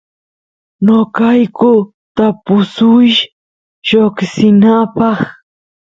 noqayku tapusuysh lloksinapaq